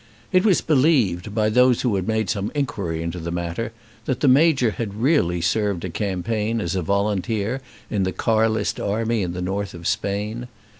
It was believed, by those who had made some inquiry into the matter, that the Major had really served a campaign as a volunteer in the Carlist army in the north of Spain.